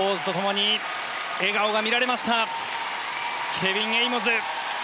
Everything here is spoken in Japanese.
フィニッシュのポーズと共に笑顔が見られましたケビン・エイモズ。